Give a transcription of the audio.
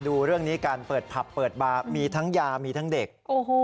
ดูเรื่องนี้การเปิดผับเปิดบาร์มีทั้งยามีทั้งเด็ก